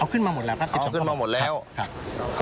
เอาขึ้นมาหมดแล้วครับ๑๒กระบอกเอาขึ้นมาหมดแล้วครับ